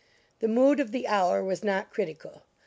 The mood of the hour was not critical.